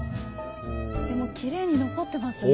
でもきれいに残ってますね。